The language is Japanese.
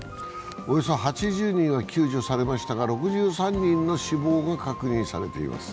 およそ８０人は救助されましたが６３人の死亡が確認されています。